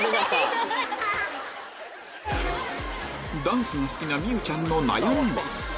ダンスが好きなミユちゃんの悩みは？